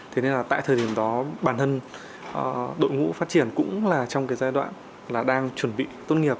thế nên là tại thời điểm đó bản thân đội ngũ phát triển cũng là trong cái giai đoạn là đang chuẩn bị tốt nghiệp